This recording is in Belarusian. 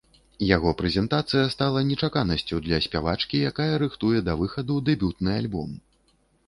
Яго прэзентацыя стала нечаканасцю для спявачкі, якая рыхтуе да выхаду дэбютны альбом.